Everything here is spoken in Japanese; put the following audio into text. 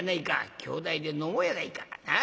兄弟で飲もうやないか。なあ？